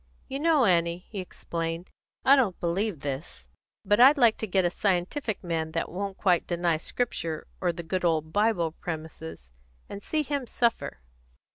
"You know, Annie," he explained, "I don't believe this; but I like to get a scientific man that won't quite deny Scripture or the good old Bible premises, and see him suffer.